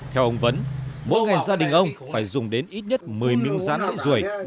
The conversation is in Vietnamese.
theo ông vấn mỗi ngày gia đình ông phải dùng đến ít nhất một mươi miếng rán ái rùi